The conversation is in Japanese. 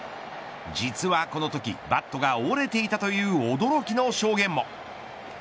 実はこのときバットが折れていたという驚きの証言も。